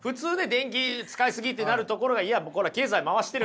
「電気使い過ぎ！」ってなるところがいやこれは経済回してる。